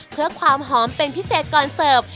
เพื่อความหอมเป็นพิเศษก่อนเสิร์ฟ